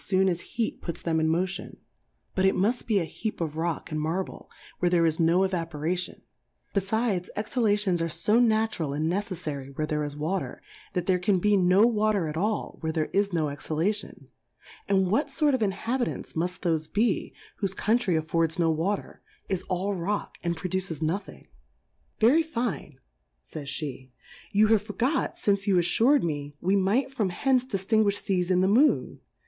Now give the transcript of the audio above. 75 foon as Heat puts them in Motion : But it mull be a heap of Rock and Marble, where there is no Evaporati on 5 befides, Exhalations are fo natu ral and necelfary where there is Wa ter, that there can be no Water at all, where there is no Exhalation ; and what lort of Inhabitants muftthofebc, whofe Country affords no Water, is all Rock, and produces nothing? Very fine, faysjlje^ you have forgot fmce you afTur'd me, we might from hence di ftinguifh Seas in the Moon.